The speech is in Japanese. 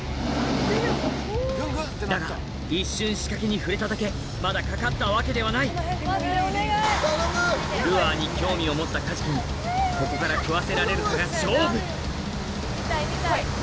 だが一瞬仕掛けに触れただけまだかかったわけではないルアーに興味を持ったカジキにここからが！え！